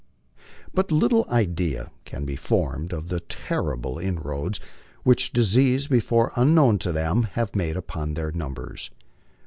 But little idea can be formed of the terrible inroads which diseases befoixj unknown to them have made upon their numbers.